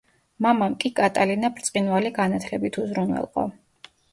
მამამ კი კატალინა ბრწყინვალე განათლებით უზრუნველყო.